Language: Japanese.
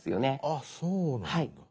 あっそうなんだ。